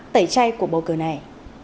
tẩy chay của bầu cử này